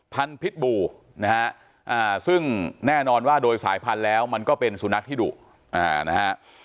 พิษบูนะฮะซึ่งแน่นอนว่าโดยสายพันธุ์แล้วมันก็เป็นสุนัขที่ดุนะฮะ